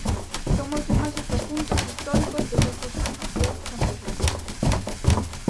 Son moitos máis os asuntos históricos que xa se están a estudar con rigor.